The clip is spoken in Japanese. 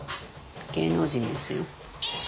芸能人ですよ。